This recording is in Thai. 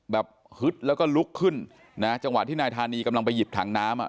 ฮึดแล้วก็ลุกขึ้นนะจังหวะที่นายธานีกำลังไปหยิบถังน้ำอ่ะ